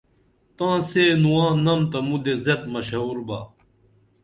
تاں سے نواں نم تہ مُدے زِیت مشہور با